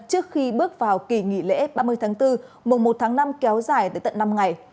trước khi bước vào kỳ nghỉ lễ ba mươi tháng bốn mùa một tháng năm kéo dài tới tận năm ngày